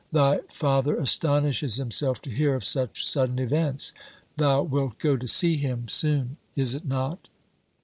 Thy father astonishes himself to hear of such sudden events. Thou wilt go to see him, soon, is it not?"